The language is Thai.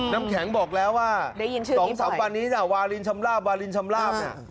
น้ำแข็งบอกแล้วว่า๒๓วันนี้นะวาลินชำลาบวาลินชำลาบเนี่ย